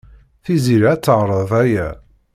Tiziri ad teɛreḍ aya.